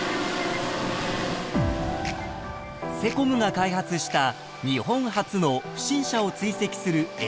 ［セコムが開発した日本初の不審者を追跡するＡＩドローンです］